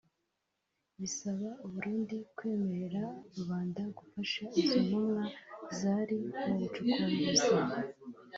bisaba u Burundi kwemerera rubanda gufasha izo ntumwa zari mu bucukumbuzi